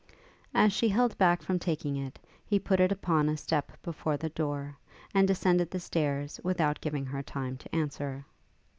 As she held back from taking it, he put it upon a step before the door, and descended the stairs without giving her time to answer.